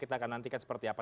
kita akan nantikan seperti apa